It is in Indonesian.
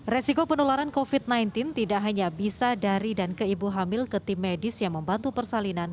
resiko penularan covid sembilan belas tidak hanya bisa dari dan ke ibu hamil ke tim medis yang membantu persalinan